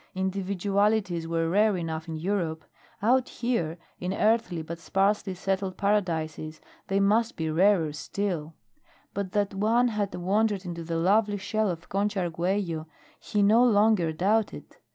Individualities were rare enough in Europe; out here, in earthly, but sparsely settled paradises, they must be rarer still; but that one had wandered into the lovely shell of Concha Arguello he no longer doubted.